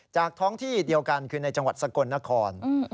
ท้องที่เดียวกันคือในจังหวัดสกลนคร